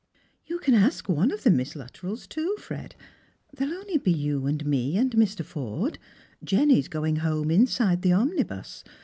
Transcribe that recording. " You can ask one of the Miss Luttrells, too, Fred. There'll only be you and me and Mr. Forde, Jenny's going home inside the omnibus.